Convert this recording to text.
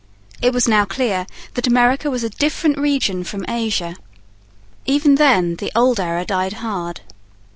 It was now clear that America was a different region from Asia. Even then the old error died hard.